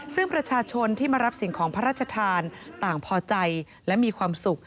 ซึ่งประชาชนที่มารับสิ่งของพระราชทานต่างพอใจและมีความสุข